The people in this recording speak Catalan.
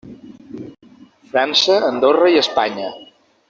França, Andorra i Espanya.